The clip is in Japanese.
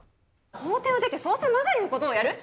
法廷を出て捜査まがいのことをやる？